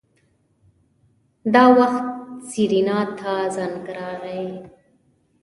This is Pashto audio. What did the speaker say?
دا وخت سېرېنا ته زنګ راغی.